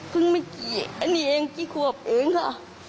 เมื่อกี้อันนี้เองกี่ขวบเองค่ะ